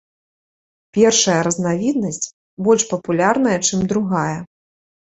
Першая разнавіднасць больш папулярная, чым другая.